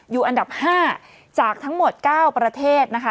อยู่อันดับ๕จากทั้งหมด๙ประเทศนะคะ